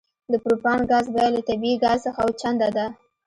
د پروپان ګاز بیه له طبیعي ګاز څخه اوه چنده ده